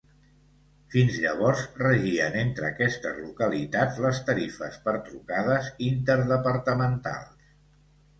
Fins llavors, regien entre aquestes localitats les tarifes per trucades interdepartamentals.